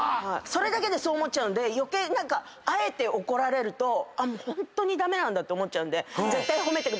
それだけでそう思っちゃうんで余計何かあえて怒られるとホントに駄目なんだって思っちゃうんで。